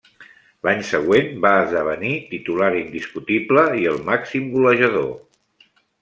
L'any següent va esdevenir titular indiscutible i el màxim golejador.